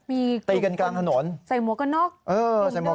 มีตีกันกลางถนนใส่หัวกระนอก